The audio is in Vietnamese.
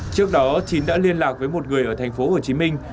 trước đó chín đã liên lạc với một người ở thành phố hồ chí minh